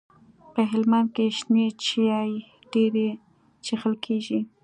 په هلمند کي شنې چاي ډيري چیښل کیږي.